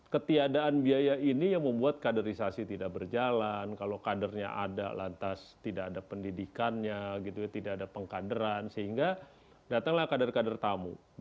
ketiadaan biaya ini yang membuat kaderisasi tidak berjalan kalau kadernya ada lantas tidak ada pendidikannya tidak ada pengkaderan sehingga datanglah kader kader tamu